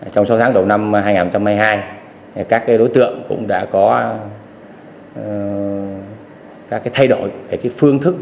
trong sáu tháng đầu năm hai nghìn hai mươi hai các đối tượng cũng đã có các thay đổi về phương thức